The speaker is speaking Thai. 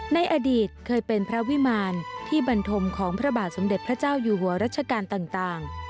ในอดีตเคยเป็นพระวิมารที่บรรทมของพระบาทสมเด็จพระเจ้าอยู่หัวรัชกาลต่าง